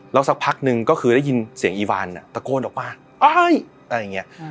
แล้วสักพักนึงก็คือได้ยินเสียงอีวานตะโกนออกมาอะไรอย่างนี้